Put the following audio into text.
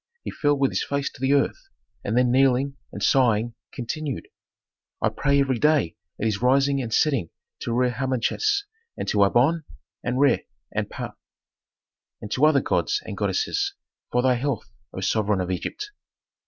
He fell with his face to the earth, and then kneeling, and sighing, continued, "I pray every day at his rising and setting to Re Harmachis, and to Amon, and Re, and Ptah, and to other gods and goddesses, for thy health, O sovereign of Egypt!